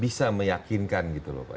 bisa meyakinkan gitu loh pak